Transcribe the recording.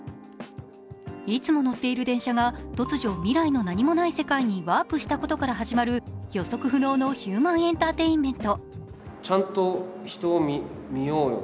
いつも乗っている電車が突如未来の何もない世界にワープしたことから始まる予測不能のヒューマンエンターテインメント。